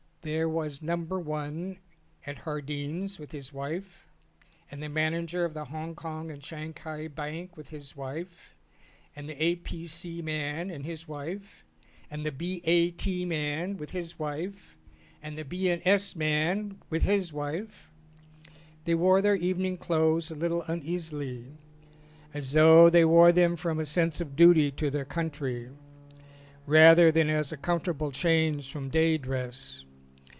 There was number one at Jardine's with his wife, and the manager of the Hong Kong and Shanghai Bank with his wife, the A. P. C. man and his wife, and the B. A. T. man with his wife, and the B. & S. man with his wife. They wore their evening clothes a little uneasily as though they wore them from a sense of duty to their country rather than as a comfortable change from day dress.